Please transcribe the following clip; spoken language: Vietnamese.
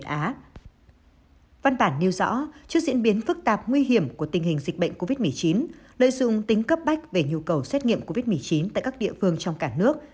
trước diễn biến phức tạp nguy hiểm của tình hình dịch bệnh covid một mươi chín lợi dụng tính cấp bách về nhu cầu xét nghiệm covid một mươi chín tại các địa phương trong cả nước